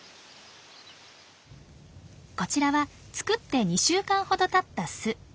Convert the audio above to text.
こちらは作って２週間ほどたった巣。